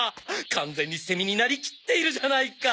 完全にセミになりきっているじゃないか。